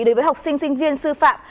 đối với học sinh sinh viên sư phạm